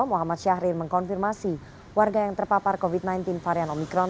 muhammad syahrir mengkonfirmasi warga yang terpapar covid sembilan belas varian omikron